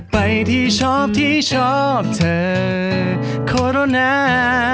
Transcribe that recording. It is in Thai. ไปที่ชอบที่ชอบเธอขอรณา